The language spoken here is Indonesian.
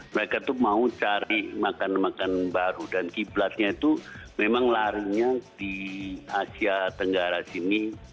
mereka tuh mau cari makan makan baru dan kiblatnya itu memang larinya di asia tenggara sini